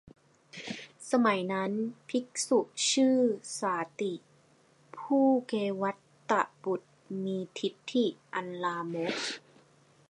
สมัยนั้น ภิกษุชื่อสาติ ผู้เกวัฏฏบุตรมีทิฏฐิอันลามก